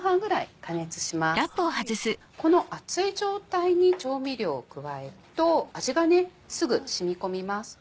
この熱い状態に調味料を加えると味がすぐ染み込みます。